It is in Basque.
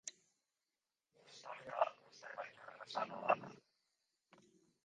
Istorioa uste baino errazagoa da.